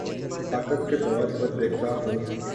طاقت کے طور پر دیکھتا ہے